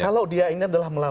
kalau dia ini adalah